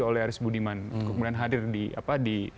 oleh aris budiman kemudian hadir di